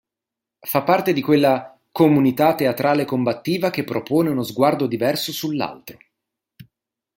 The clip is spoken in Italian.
Fa parte di quella “comunità teatrale combattiva che propone uno sguardo diverso sull’Altro”.